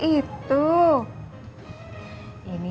ini mantu saya yang beliin ini